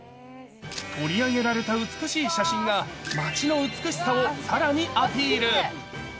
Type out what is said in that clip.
取り上げられた美しい写真が、町の美しさをさらにアピール。